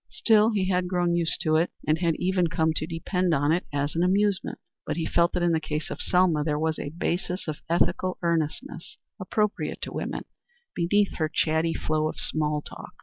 Still he had grown used to it, and had even come to depend on it as an amusement. But he felt that in the case of Selma there was a basis of ethical earnestness, appropriate to woman, beneath her chatty flow of small talk.